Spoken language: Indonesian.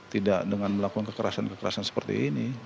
tidak dengan melakukan kekerasan kekerasan seperti ini